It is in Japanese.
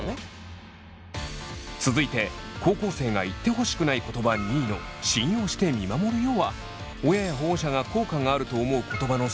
続いて高校生が言ってほしくない言葉２位のは親や保護者が「効果がある」と思う言葉の３位。